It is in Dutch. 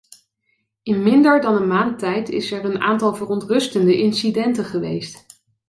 In minder dan een maand tijd is er een aantal verontrustende incidenten geweest.